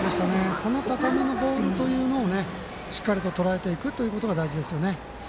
この高めのボールというのをしっかりととらえていくというのが大事ですよね。